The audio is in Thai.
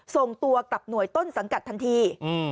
ส่งตัวกลับหน่วยต้นสังกัดทันที